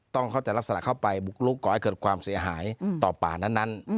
เขาจะลักษณะเข้าไปบุกลุกก่อให้เกิดความเสียหายต่อป่านั้น